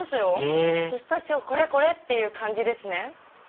へぇピスタチオこれこれ！って感じですね。